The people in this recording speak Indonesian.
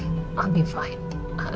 gue akan baik baik saja